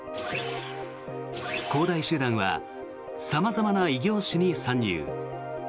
恒大集団は様々な異業種に参入。